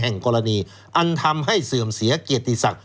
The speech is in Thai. ันนี่อันทำให้เสื่อมเสียเกียจศักดิ์สัก